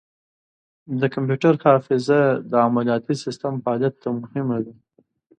د کمپیوټر حافظه د عملیاتي سیسټم فعالیت ته مهمه ده.